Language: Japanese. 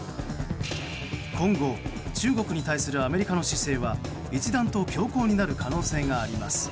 今後、中国に対するアメリカの姿勢は、一段と強硬になる可能性があります。